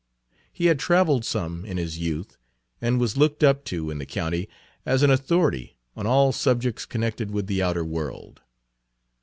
He had traveled some in his youth, and was looked up to in the county as an authority on all subjects connected with the outer world.